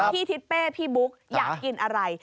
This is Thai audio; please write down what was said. ทิศเป้พี่บุ๊กอยากกินอะไร